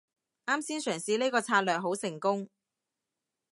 啱先嘗試呢個策略好成功